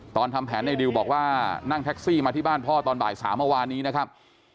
ทำแผนในดิวบอกว่านั่งแท็กซี่มาที่บ้านพ่อตอนบ่าย๓เมื่อวานนี้นะครับ